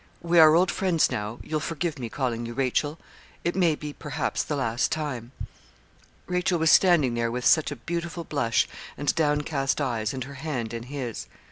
We are old friends now you'll forgive me calling you Rachel it may be perhaps the last time.' Rachel was standing there with such a beautiful blush, and downcast eyes, and her hand in his.